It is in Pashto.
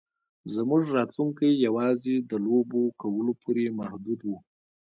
زموږ راتلونکی یوازې د لوبو کولو پورې محدود و